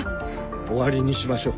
終わりにしましょう。